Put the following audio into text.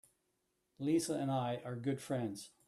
Lisa and I are good friends.